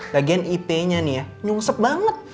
bagian ip nya nih ya nyungsep banget